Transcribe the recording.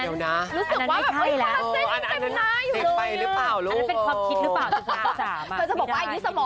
มันจะบอกว่าอายุสมองก็พูดบางตอนงั้นสาม